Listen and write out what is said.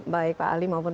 baik pak ali maupun